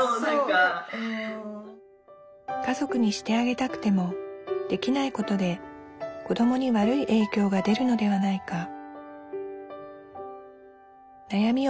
家族にしてあげたくてもできないことで子どもに悪い影響が出るのではないか。